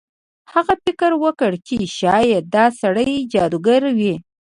هغه فکر وکړ چې شاید دا سړی جادوګر وي.